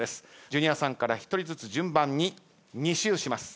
ジュニアさんから１人ずつ順番に２周します。